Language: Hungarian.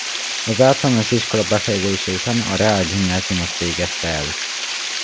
Az általános iskola befejezése után a reálgimnáziumot végezte el.